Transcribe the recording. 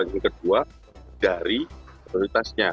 yang kedua dari prioritasnya